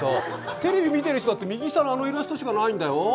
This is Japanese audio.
テレビ見てる人だって、右下のあのイラストしかないんだよ。